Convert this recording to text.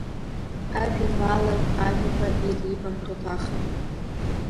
Ажәеинраалаҩ Ажәақәа ирибамҭо ҭаха…